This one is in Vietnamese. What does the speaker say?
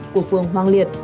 của phương hoàng liên